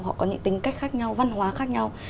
họ có những tính cách khác nhau văn hóa khác nhau